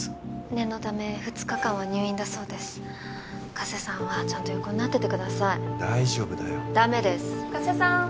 念のため２日間は入院だそうです加瀬さんはちゃんと横になっててください大丈夫だよダメです加瀬さん